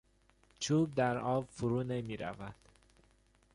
چوب در آب فرو نمیرود.